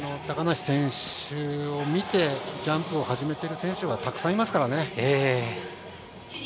高梨選手を見てジャンプを始めている選手もたくさんいますからね。